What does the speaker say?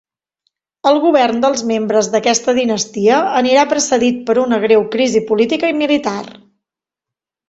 El govern dels membres d'aquesta dinastia anirà precedit per una greu crisi política i militar.